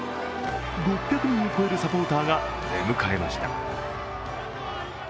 ６００人を超えるサポーターが出迎えました。